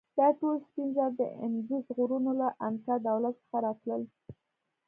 دا ټول سپین زر د اندوس غرونو له انکا دولت څخه راتلل.